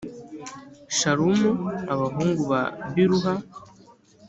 shalumu abahungu ba biluha